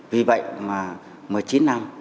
vì vậy mà một mươi chín năm